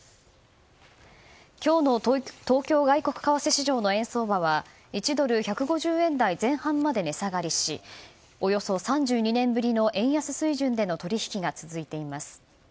今日の東京外国為替市場の円相場は１ドル＝１５０円台前半まで値下がりしおよそ３２年ぶりの円安水準での取引が続いています。